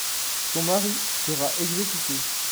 Son mari sera exécuté.